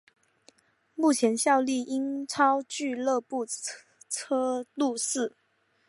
目前效力英超俱乐部车路士。